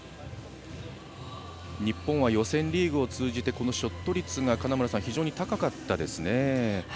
日本は予選リーグを通じてショット率が非常に高かったですね。